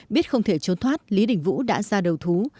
biết không thể trốn thoát lý đình vũ đã ra đầu thú